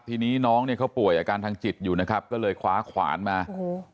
ทีนี้น้องเนี่ยเขาป่วยอาการทางจิตอยู่นะครับก็เลยคว้าขวานมาโอ้โห